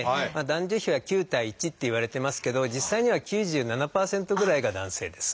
男女比は９対１っていわれてますけど実際には９７％ぐらいが男性です。